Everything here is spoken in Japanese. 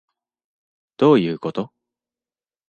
どういうこと？